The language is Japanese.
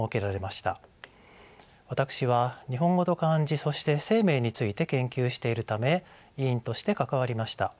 私は日本語と漢字そして姓名について研究しているため委員として関わりました。